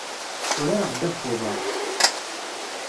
Urareɣ ddabex n uḍaṛ.